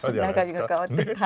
中身が変わって。